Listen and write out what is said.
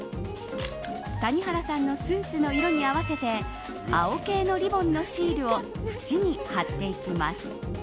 谷原さんのスーツの色に合わせて青系のリボンのシールを縁に貼っていきます。